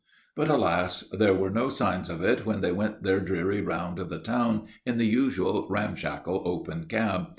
But, alas! there were no signs of it when they went their dreary round of the town in the usual ramshackle open cab.